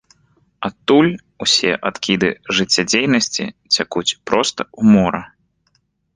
Адтуль усе адкіды жыццядзейнасці цякуць проста ў мора.